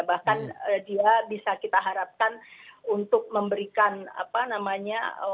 bahkan dia bisa kita harapkan untuk memberikan apa namanya